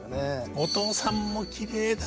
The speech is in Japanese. お父さんもきれいだね。